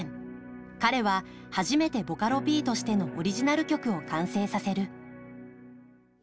彼は、初めてボカロＰとしてのオリジナル曲を完成させる。